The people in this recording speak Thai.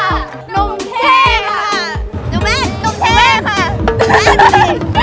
กรุงเทพค่ะ